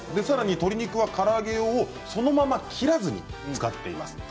鶏肉はから揚げ用をそのまま切らずに使っています。